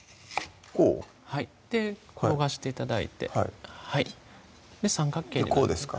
はいで転がして頂いてはい三角形にこうですか？